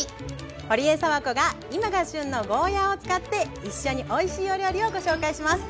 ほりえさわこが今が旬のゴーヤーを使って一緒においしいお料理をご紹介します。